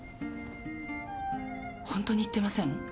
ホントに言ってません？